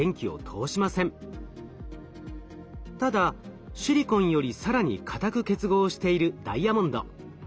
ただシリコンより更に硬く結合しているダイヤモンド。